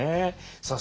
さあ